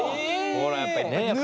ほらやっぱり。